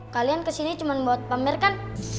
kalian kesini cuma buat pamer kan